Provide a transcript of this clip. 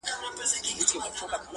o دعوه د سړیتوب دي لا مشروطه بولم ځکه,